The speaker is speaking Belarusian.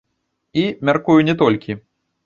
І, мяркую, не толькі.